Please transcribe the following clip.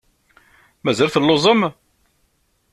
Mazal telluẓem?